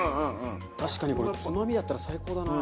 確かにこれつまみだったら最高だな。